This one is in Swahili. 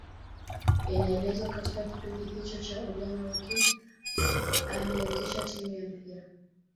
Inaelezwa katika kipindi hicho cha ujana wake alianzisha timu ya mpira